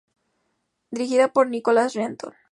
Dirigida por Nicholas Renton.